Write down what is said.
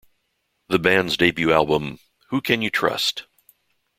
The band's debut album, Who Can You Trust?